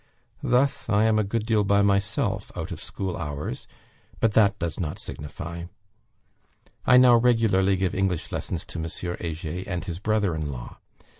Thus I am a good deal by myself, out of school hours; but that does not signify. I now regularly give English lessons to M. Heger and his brother in law.